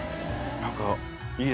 何か。